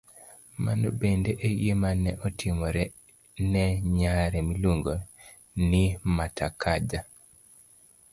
Mano bende e gima ne otimore ne nyare miluongo ni Mata Kaja,